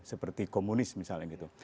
seperti komunis misalnya gitu